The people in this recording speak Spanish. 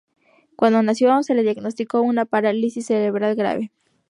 Cuando nació se le diagnosticó una parálisis cerebral grave.